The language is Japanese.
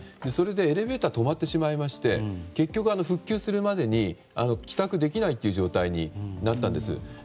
それでエレベーターが止まってしまいまして結局復旧するまでに帰宅できないという状態になったんです。